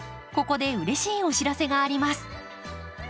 ここでうれしいお知らせがあります。